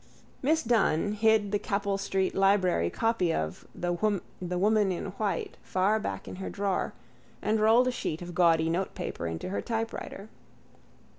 Miss Dunne hid the Capel street library copy of The Woman in White far back in her drawer and rolled a sheet of gaudy notepaper into her typewriter.